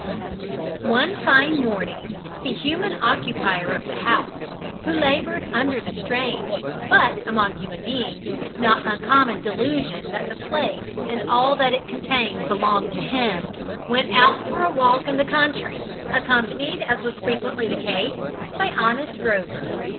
One fine morning the human occupier of the house (who laboured under the strange but, among human beings, not uncommon delusion that the place and all that it contained belonged to him) went out for a walk in the country, accompanied, as was frequently the case, by honest Rover.